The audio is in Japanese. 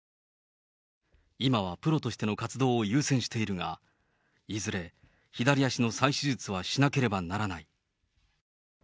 今はプロとしての活動を優先しているが、いずれ、左足の再手術はしなければならない。